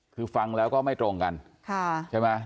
คือฟังแล้วก็ไม่ตรงกันใช่ไหม